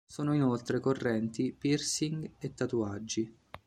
Sono inoltre correnti piercing e tatuaggi.